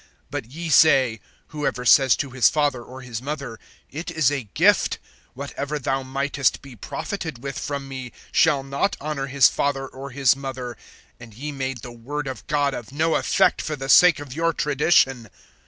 (5)But ye say: Whoever says to his father or his mother, It is a gift, whatever thou mightest be profited with from me, (6)shall not honor his father or his mother; and ye made the word of God[15:6] of no effect, for the sake of your tradition.